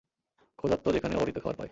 ক্ষুধার্ত যেখানে অবারিত খাবার পায়।